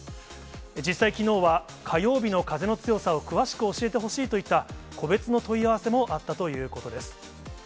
実際、きのうは火曜日の風の強さを詳しく教えてほしいといった個別の問い合わせもあったということです。